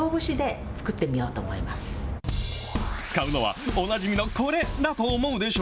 使うのは、おなじみのこれだと思うでしょ？